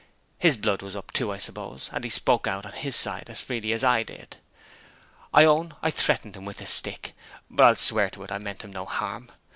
His blood was up too, I suppose; and he spoke out, on his side, as freely as I did. I own I threatened him with the stick; but I'll swear to it I meant him no harm.